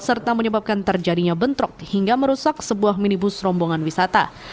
serta menyebabkan terjadinya bentrok hingga merusak sebuah minibus rombongan wisata